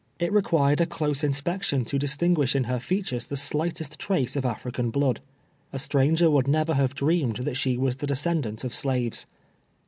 It required a close inspection to distinguish in her features the slightest trace of African blood. A stranger would never have dreamed that she was the descendant of slaves.